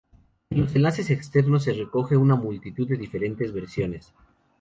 En los enlaces externos, se recogen una multitud de diferentes versiones.